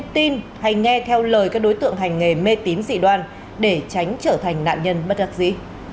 tín dị đoan để tránh trở thành nạn nhân mất đặc dị